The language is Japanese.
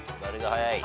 早い。